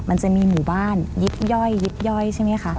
มันจะมีหมู่บ้านยิบย่อยใช่ไหมคะ